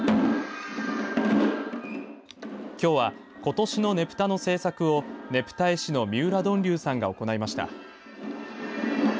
きょうはことしのねぷたの制作をねぷた絵師の三浦呑龍さんが行いました。